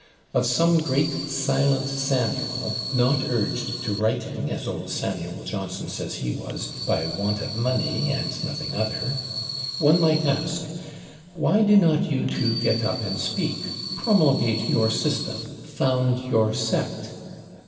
Of some great silent Samuel, not urged to writing, as old Samuel Johnson says he was, by want of money and nothing other, one might ask, "Why do not you too get up and speak; promulgate your system, found your sect?"